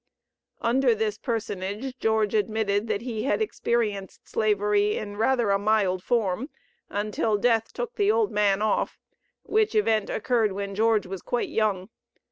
Under this personage George admitted that he had experienced slavery in rather a mild form until death took the old man off, which event occurred when George was quite young.